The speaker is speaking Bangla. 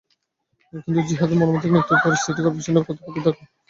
কিন্তু জিহাদের মর্মান্তিক মৃত্যুর পরও সিটি করপোরেশন কর্তৃপক্ষ প্রতিকারের ব্যবস্থা নেয়নি।